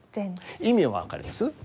意味は分かります？